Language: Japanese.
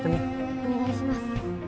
お願いします。